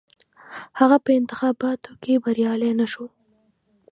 هغه په انتخاباتو کې بریالی نه شو.